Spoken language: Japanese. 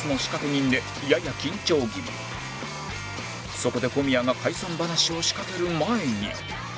そこで小宮が解散話を仕掛ける前に